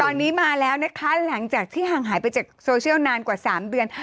ตอนนี้มาแล้วนะคะหลังจากที่ห่างหายไปจากโซเชียลนานกว่า๓เดือน